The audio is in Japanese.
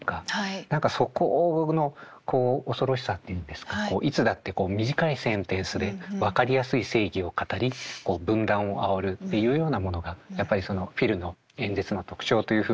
何かそこのこう恐ろしさっていうんですかいつだってこう短いセンテンスで分かりやすい正義を語り分断をあおるっていうようなものがやっぱりそのフィルの演説の特徴というふうに書かれているんですが。